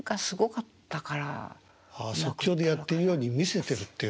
ああ即興でやってるように見せてるっていう。